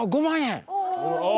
５万円。